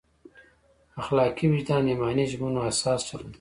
اخلاقي وجدان ایماني ژمنو اساس چلند کوي.